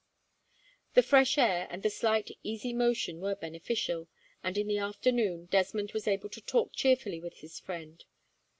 The fresh air and the slight easy motion were beneficial, and in the afternoon, Desmond was able to talk cheerfully with his friend.